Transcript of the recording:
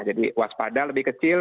jadi waspada lebih kecil